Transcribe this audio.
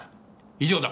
以上だ。